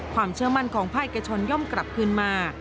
ความเชื่อมั่นของภาคเอกชนย่อมกลับคืนมา